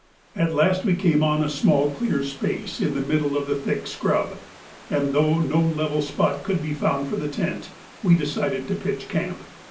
At last we came on a small clear space in the middle of the thick scrub; and though no level spot could be found for the tent, we decided to pitch camp.